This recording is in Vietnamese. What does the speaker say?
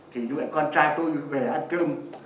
thì con trai tôi về ăn cơm